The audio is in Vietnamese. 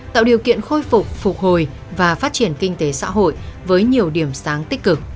tạo điều kiện khôi phục phục hồi và phát triển kinh tế xã hội với nhiều điểm sáng tích cực